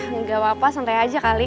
nggak apa apa santai aja kali